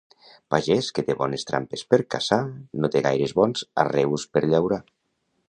Pagès que té bones trampes per caçar no té gaires bons arreus per llaurar.